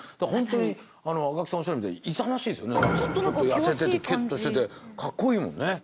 痩せててキュッとしててかっこいいもんね。